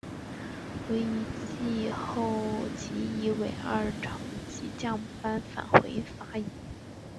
惟一季后即以尾二成绩降班返回法乙。